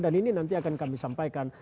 dan ini nanti akan kami sampaikan